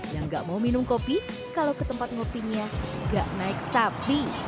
yang gak mau minum kopi kalau ke tempat ngopinya gak naik sapi